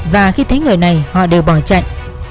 và khi thấy người này họ đều bỏ chạy